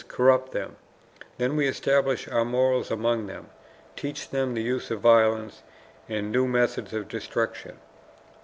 corrupt them; then we establish our morals among them, teach them the use of violence and new methods of destruction, i, e.